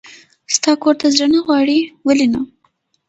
ستا کور ته زړه نه غواړي؟ ولې نه.